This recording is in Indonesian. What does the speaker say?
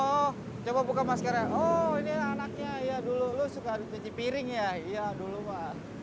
oh coba buka maskernya oh ini anaknya ya dulu lu suka cuci piring ya iya dulu pak